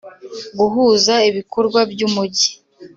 guhuza ibikorwa by’ Umujyi